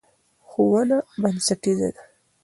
ښوونه بنسټیزه ده.